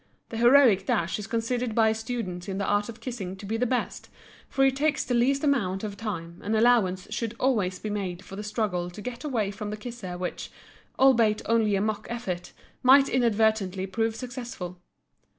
The heroic dash is considered by students in the art of kissing to be the best, for it takes the least amount of time, and allowance should always be made for the struggle to get away from the kisser which, albeit only a mock effort, might inadvertently prove successful.